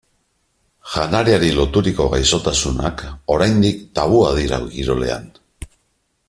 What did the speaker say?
Janariari loturiko gaixotasunak oraindik tabua dira kirolean.